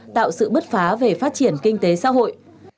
tạo sự bứt phá về phát triển kinh tế xã hội